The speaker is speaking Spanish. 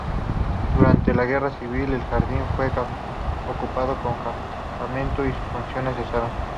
Durante la Guerra Civil el Jardín fue ocupado como campamento y sus funciones cesaron.